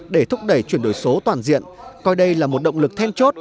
để thúc đẩy chuyển đổi số toàn diện coi đây là một động lực then chốt